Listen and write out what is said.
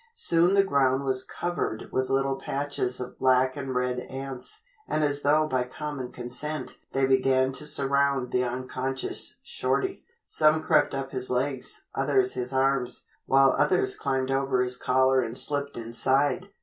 Soon the ground was covered with little patches of black and red ants, and as though by common consent they began to surround the unconscious Shorty. Some crept up his legs, others his arms, while others climbed over his collar and slipped inside.